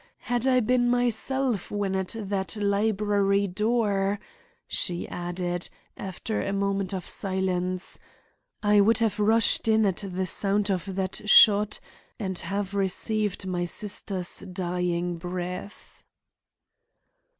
Had I been myself when at that library door," she added, after a moment of silence, "I would have rushed in at the sound of that shot and have received my sister's dying breath."